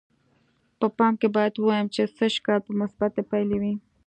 په پای کې باید ووایم چې سږ کال به مثبتې پایلې وې.